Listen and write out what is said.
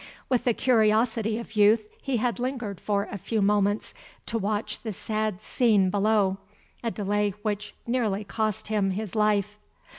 With the curiosity of youth he had lingered for a few moments to watch the sad scene below, a delay which nearly cost him his life.